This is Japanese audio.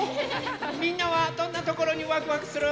みんなはどんなところにワクワクする？